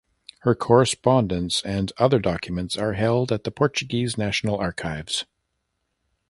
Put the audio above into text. Her correspondence and other documents are held at the Portuguese national archives.